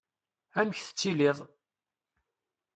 Amek tettiliḍ?